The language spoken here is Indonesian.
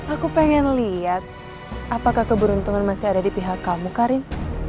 aku pengen lihat apakah keberuntungan masih ada di pihak kamu karim